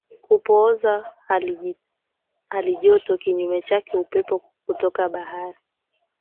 kupoza halijoto Kinyume chake upepo kutoka Bahari